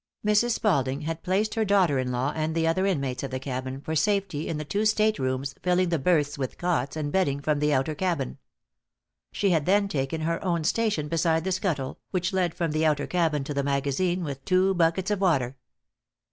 Mrs. Spalding had placed her daughter in law and the other inmates of the cabin for safety in the two state rooms, filling the berths with cots and bedding from the outer cabin. She had then taken her own station beside the scuttle, which led from the outer cabin to the magazine, with two buckets of water.